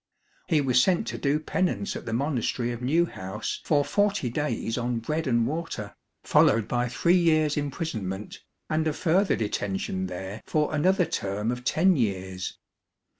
He was sent to do pen ance at the monastery of Newhouse for forty days on bread and water, followed by three years' imprisonment, and a further detention there for another term of ten years.